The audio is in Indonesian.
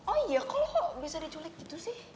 oh iya kok lo bisa diculik gitu sih